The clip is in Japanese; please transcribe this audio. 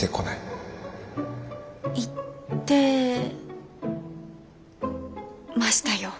言ってましたよ。